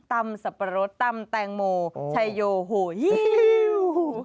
ตำสัมปรดตำแตงโหมไชโยฮู